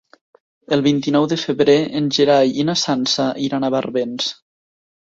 El vint-i-nou de febrer en Gerai i na Sança iran a Barbens.